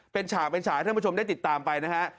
เป็นฉากให้ท่านผู้ชมได้ติดตามไปนะครับ